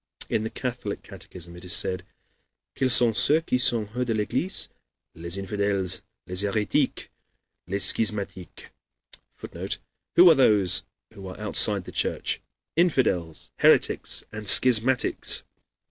In the Catholic catechism it is said: "Quels sont ceux qui sont hors de l'église? Les infidèles, les hérétiques, les schismatiques." [Footnote: "Who are those who are outside the Church? Infidels, heretics, and schismatics."